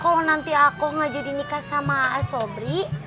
kalo nanti aku gak jadi nikah sama aes sobri